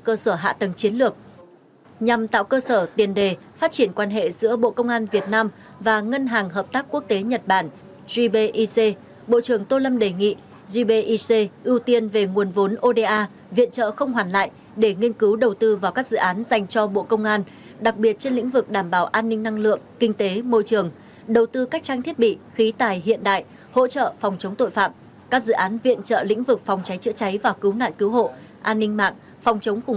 cơ sở hạ tầng chiến lược nhằm tạo cơ sở tiền đề phát triển quan hệ giữa bộ công an việt nam và ngân hàng hợp tác quốc tế nhật bản gbic bộ trưởng tô lâm đề nghị gbic ưu tiên về nguồn vốn oda viện trợ không hoàn lại để nghiên cứu đầu tư vào các dự án dành cho bộ công an đặc biệt trên lĩnh vực đảm bảo an ninh năng lượng kinh tế môi trường đầu tư cách trang thiết bị khí tài hiện đại hỗ trợ phòng chống tội phạm các dự án viện trợ lĩnh vực phòng cháy chữa cháy và cứu nạn cứu hộ